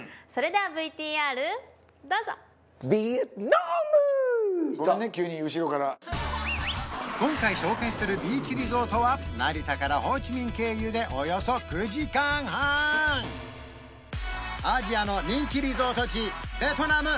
ごめんね急に後ろから今回紹介するビーチリゾートは成田からホーチミン経由でおよそ９時間半アジアの人気リゾート地ベトナム